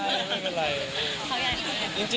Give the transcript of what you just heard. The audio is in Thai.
เผ้ายังไง